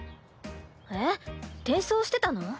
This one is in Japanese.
えっ転送してたの？